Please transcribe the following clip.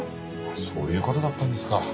そういう事だったんですか。